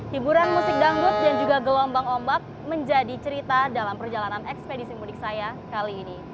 hiburan musik dangdut dan juga gelombang ombak menjadi cerita dalam perjalanan ekspedisi mudik saya kali ini